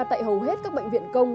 tại hầu hết các bệnh viện công